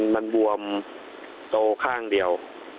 มันบวมโตข้างเดียว